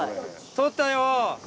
捕ったよ。